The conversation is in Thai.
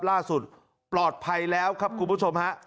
ล่าสุดปลอดภัยแล้วครับคุณผู้ชมฮะ